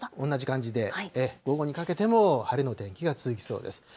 同じ感じで、午後にかけても晴れの天気が続きそうです。